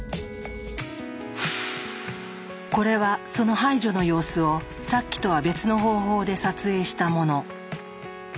これはその排除の様子をさっきとは別の方法で撮影したもの。